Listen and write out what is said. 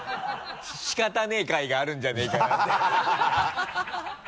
仕方ねぇ回があるんじゃねぇかなって